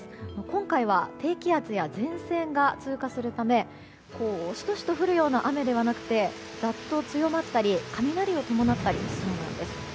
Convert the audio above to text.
今回は低気圧や前線が通過するためシトシト降るような雨ではなくてざっと強まったり雷を伴ったりしそうなんです。